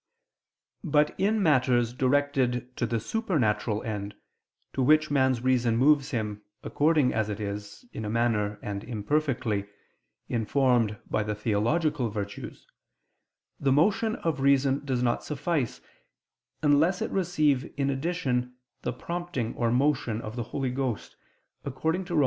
But in matters directed to the supernatural end, to which man's reason moves him, according as it is, in a manner, and imperfectly, informed by the theological virtues, the motion of reason does not suffice, unless it receive in addition the prompting or motion of the Holy Ghost, according to Rom.